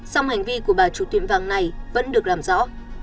song hành vi của bà chủ tiệm vàng này vẫn được làm rõ